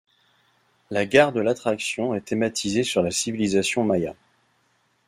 La gare de l'attraction est thématisée sur la Civilisation maya.